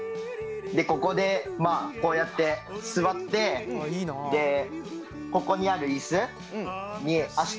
ここでこうやって座ってここにある椅子に足とか置いて。